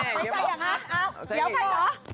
ไม่ใจหรอกอ้าวเดี๋ยวขอ